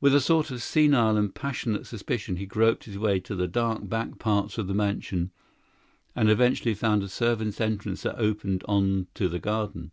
With a sort of senile and passionate suspicion he groped his way to the dark back parts of the mansion, and eventually found a servants' entrance that opened on to the garden.